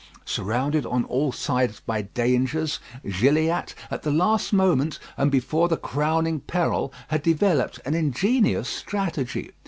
Surrounded on all sides by dangers, Gilliatt, at the last moment, and before the crowning peril, had developed an ingenious strategy.